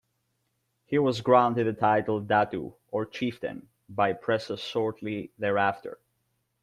He was granted the title "Datu", or chieftain, by Presas shortly thereafter.